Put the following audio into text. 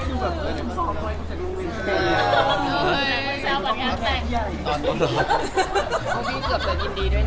แซวบัดงานต่าง